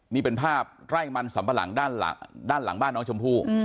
นี่เป็นภาพไร่มันสัมปะหลังด้านหลังบ้านน้องชมพู่